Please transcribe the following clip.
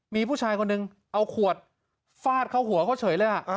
มีผู้ชายคนหนึ่งเอาขวดฟาดเข้าหัวเขาเฉยเลย